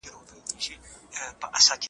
نجونې په علمي بحثونو کې د نظر څرګندولو حق لري.